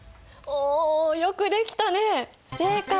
およくできたね正解！